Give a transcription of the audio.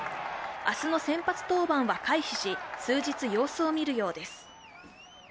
明日の先発登板は回避し、数日様子を見るようです。